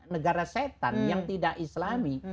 negara setan yang tidak islami